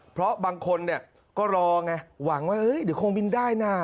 เพราะบางคนเนี่ยก็รอไงหวังว่าเฮ้ยเดี๋ยวคงบินได้นะ